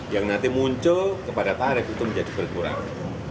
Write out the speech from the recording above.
yang nanti muncul kepada tarif itu menjadi berkurang